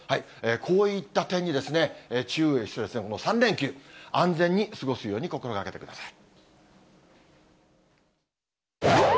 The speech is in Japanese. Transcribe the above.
こういった点に注意をして、この３連休、安全に過ごすように心がけてください。